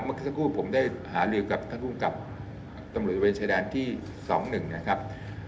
เมื่อกี้สักครู่ผมได้หาเรียนกับท่านผู้กับตำลูกบริเวณชายแดนที่สองหนึ่งนะครับ